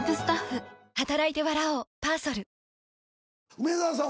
梅沢さん